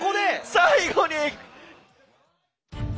最後に！